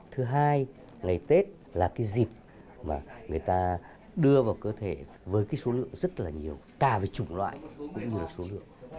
thứ hai ngày tết là cái dịp mà người ta đưa vào cơ thể với cái số lượng rất là nhiều cả với chủng loại cũng nhiều số lượng